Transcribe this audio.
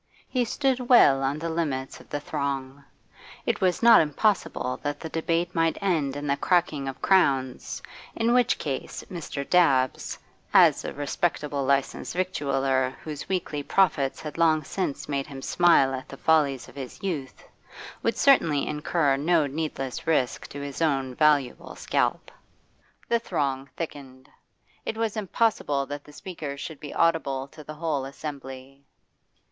He stood well on the limits of the throng; it was not impossible that the debate might end in the cracking of crowns, in which case Mr. Dabbs, as a respectable licensed victualler whose weekly profits had long since made him smile at the follies of his youth, would certainly incur no needless risk to his own valuable scalp. The throng thickened; it was impossible that the speakers should be audible to the whole assembly.